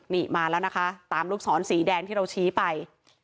นี่มาแล้วนะคะตามลูกศรสีแดงที่เราชี้ไป